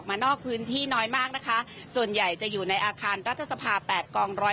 นอกพื้นที่น้อยมากนะคะส่วนใหญ่จะอยู่ในอาคารรัฐสภา๘กองร้อย